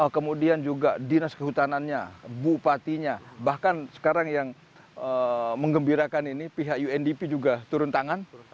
kemudian juga dinas kehutanannya bupatinya bahkan sekarang yang mengembirakan ini pihak undp juga turun tangan